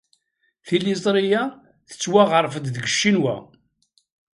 Tiliẓri-a tettwaɣref-d deg Ccinwa.